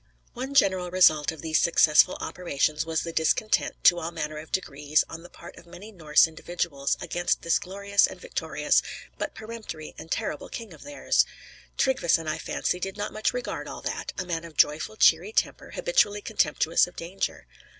One general result of these successful operations was the discontent, to all manner of degrees, on the part of many Norse individuals, against this glorious and victorious, but peremptory and terrible king of theirs. Tryggveson, I fancy, did not much regard all that; a man of joyful, cheery temper, habitually contemptuous of danger.